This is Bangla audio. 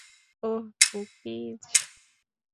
ওহ, কুকিজ?